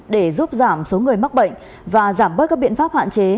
để giúp giảm số người mắc bệnh và giảm bớt các biện pháp hạn chế